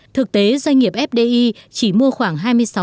thực tế doanh nghiệp fdi chỉ mua khoảng hai mươi sáu